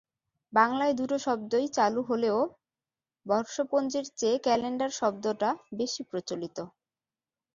বাংলায় দুটো শব্দই চালু হলেও বর্ষপঞ্জির চেয়ে ক্যালেন্ডার শব্দটা বেশি প্রচলিত।